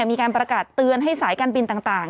มีการประกาศเตือนให้สายการบินต่าง